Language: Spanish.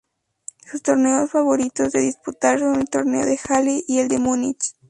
Sus torneos favoritos de disputar son el Torneo de Halle y el de Munich.